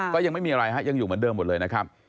ก็ยังไม่มีอะไรฮะยังอยู่เหมือนเดิมหมดเลยนะครับ